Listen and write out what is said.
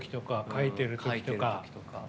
書いてる時とか。